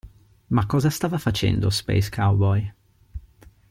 Ma cosa stava facendo Space Cowboy?